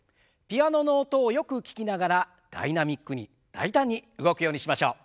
ピアノの音をよく聞きながらダイナミックに大胆に動くようにしましょう。